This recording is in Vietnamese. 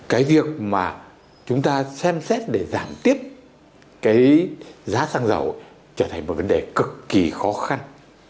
cái việc mà chúng ta xem xét để giảm tiếp cái giá xăng dầu trở thành một vấn đề cực kỳ khó khăn